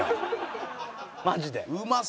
マジで。